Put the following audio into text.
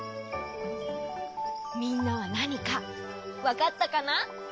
みんなはなにかわかったかな？